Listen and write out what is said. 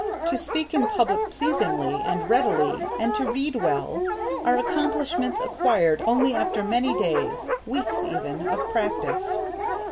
To speak in public pleasingly and readily and to read well are accomplishments acquired only after many days, weeks even, of practise.